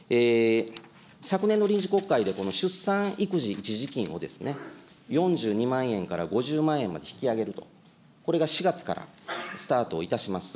昨年の臨時国会で、この出産育児一時金をですね、４２万円から５０万円まで引き上げると、これが４月からスタートをいたします。